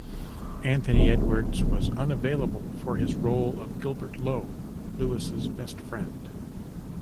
Anthony Edwards was unavailable for his role of Gilbert Lowe, Lewis's best friend.